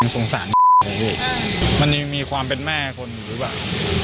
สงสารพี่มันยังมีความเป็นแม่คนอยู่หรือเปล่า